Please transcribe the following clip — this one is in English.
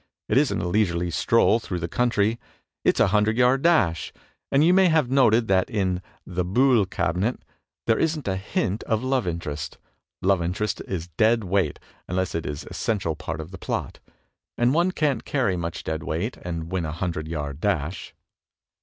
It isn't a leisurely stroll through the country, it's a hundred yard dash! And you may have noted that in "The Boule Cabinet" there isn't a hint of love interest; love interest is dead weight unless it is an essential part of the plot; and one can't carry much dead weight and win a hundred yard dash."